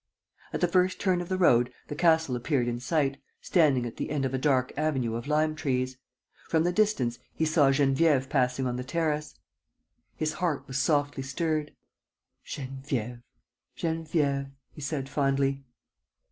At the first turn of the road, the castle appeared in sight, standing at the end of a dark avenue of lime trees. From the distance, he saw Geneviève passing on the terrace. His heart was softly stirred: "Geneviève, Geneviève," he said, fondly.